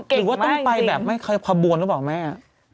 หรือว่าต้องไปแบบไม่ขบวนหรือเปล่าแม่